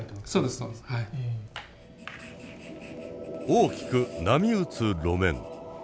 大きく波打つ路面。